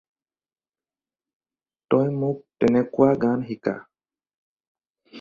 তই মোক তেনেকুৱা গান শিকা।